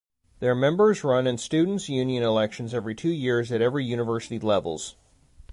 Their members run in students union elections every two years at every university levels.